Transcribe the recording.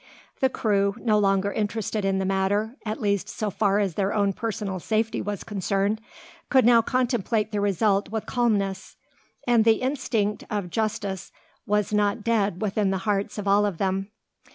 The crew, no longer interested in the matter, at least, so far as their own personal safety was concerned, could now contemplate the result with calmness; and the instinct of justice was not dead within the hearts of all of them.